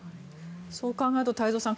そう考えると太蔵さん